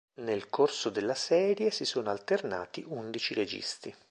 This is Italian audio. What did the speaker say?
Nel corso della serie si sono alternati undici registi.